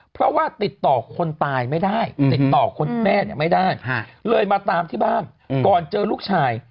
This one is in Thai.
เพราะว่าติดต่อคนตายไม่ได้ติดต่อคนแม่ไม่ได้เลยมาตามที่บ้านก่อนเจอลูกชาย